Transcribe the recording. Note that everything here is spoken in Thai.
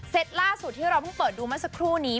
ล่าสุดที่เราเพิ่งเปิดดูเมื่อสักครู่นี้